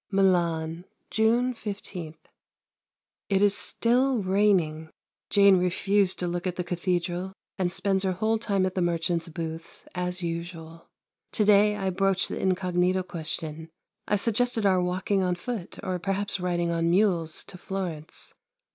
Milan, June 15. It is still raining. Jane refused to look at the Cathedral and spends her whole time at the merchants' booths as usual. To day I broached the incognito question. I suggested our walking on foot, or perhaps riding on mules, to Florence.